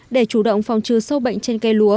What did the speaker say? để chủ động phòng trừ sâu bệnh trên cây lúa